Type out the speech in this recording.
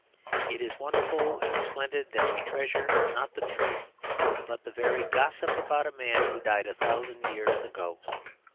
It is wonderful and splendid that we treasure, not the truth, but the very gossip about a man who died a thousand years ago.